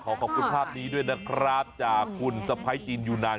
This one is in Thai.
ขอบคุณภาพนี้ด้วยนะครับจากคุณสะพ้ายจีนยูนาน